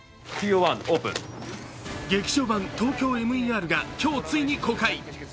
「劇場版ＴＯＫＹＯＭＥＲ」が今日、ついに公開。